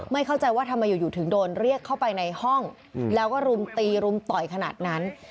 เข้าใจว่าทำไมอยู่ถึงโดนเรียกเข้าไปในห้องแล้วก็รุมตีรุมต่อยขนาดนั้น